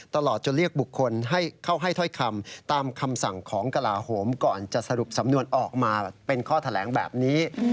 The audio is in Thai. ตลอดจนเรียกบุคคลให้เข้าให้ถ้อยคำตามคำสั่งของกลาโหมก่อนจะสรุปสำนวนออกมาเป็นข้อแถลงแบบนี้